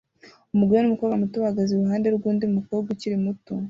Umugore numukobwa muto bahagaze iruhande rwundi mukobwa ukiri muto